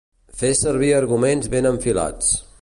Fer servir arguments ben enfilats.